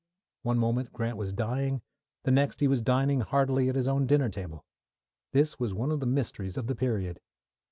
One moment Grant was dying, the next he was dining heartily at his own dinner table. This was one of the mysteries of the period.